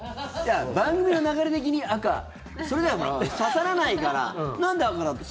番組の流れ的に赤それでは刺さらないからなんで赤かなって。